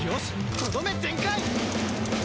とどめ全開！